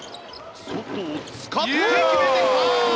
外を使って決めてきた！